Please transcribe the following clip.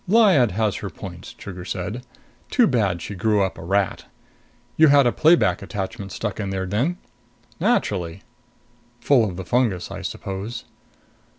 "Lyad has her points," Trigger said. "Too bad she grew up a rat. You had a playback attachment stuck in there then?" "Naturally." "Full of the fungus, I suppose?"